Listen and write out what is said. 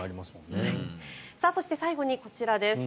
そして最後にこちらです。